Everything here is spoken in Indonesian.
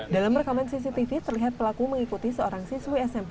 dalam rekaman cctv terlihat pelaku mengikuti seorang siswi smp